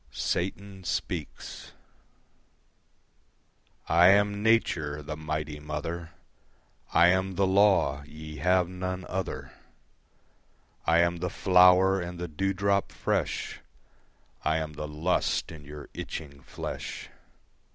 Satan Speaks I am Nature, the Mighty Mother, I am the law: ye have none other. I am the flower and the dewdrop fresh, I am the lust in your itching flesh.